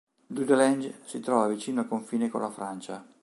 Dudelange si trova vicino al confine con la Francia.